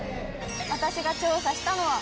私が調査したのは。